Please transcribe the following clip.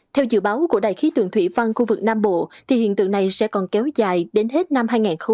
theo dự báo của đài khí tượng thủy văn khu vực nam bộ thì hiện tượng này sẽ còn kéo dài đến hết năm hai nghìn hai mươi